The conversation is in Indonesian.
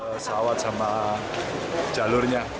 pesawat sama jalurnya